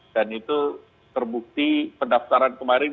dan itu terbukti pendaftaran kemarin